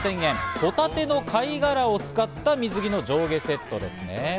ホタテの貝殻を使った水着の上下セットですね。